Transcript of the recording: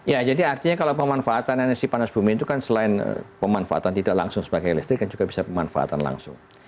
ya jadi artinya kalau pemanfaatan energi panas bumi itu kan selain pemanfaatan tidak langsung sebagai listrik kan juga bisa pemanfaatan langsung